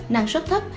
năng suất thấp